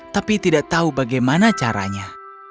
tapi tidak tahu bagaimana caranya